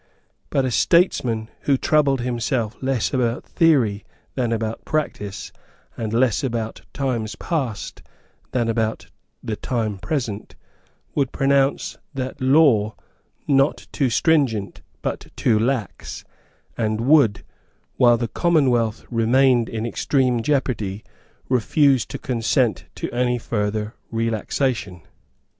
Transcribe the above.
But a statesman who troubled himself less about theory than about practice, and less about times past than about the time present, would pronounce that law not too stringent but too lax, and would, while the commonwealth remained in extreme jeopardy, refuse to consent to any further relaxation.